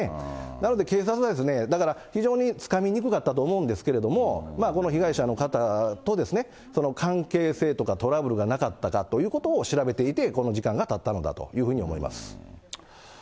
なので警察は、だから、非常につかみにくかったと思うんですけれども、この被害者の方と関係性とかトラブルがなかったかということを調べていて、この時間がたったのだというふうに思います。